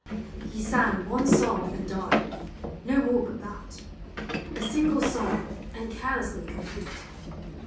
He sang one song and died — no more but that : A single song and carelessly complete.